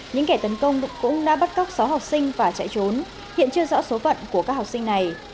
những kẻ tấn công cũng đã bắt cóc sáu học sinh và chạy trốn hiện chưa rõ số phận của các học sinh này